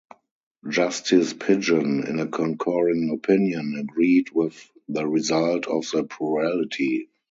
Justice Pigeon, in a concurring opinion, agreed with the result of the plurality.